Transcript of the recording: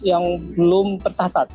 yang belum tercatat